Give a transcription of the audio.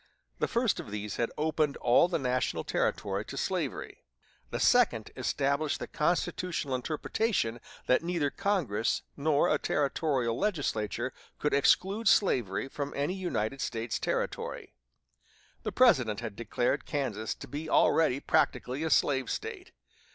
The first of these had opened all the national territory to slavery. The second established the constitutional interpretation that neither Congress nor a territorial legislature could exclude slavery from any United States territory. The President had declared Kansas to be already practically a slave State.